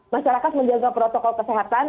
masyarakat menjaga protokol kesehatan